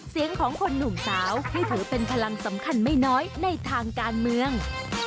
เสียงของคนหนุ่มสาวที่ถือเป็นพลังสำคัญไม่น้อยในทางการเมือง